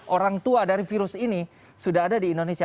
orang tua dari virus ini sudah ada di indonesia